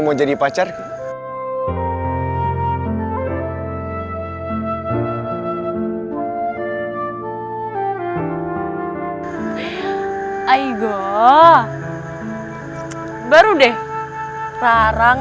dengan disaksikan langit bulan dan bintang